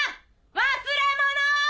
忘れ物！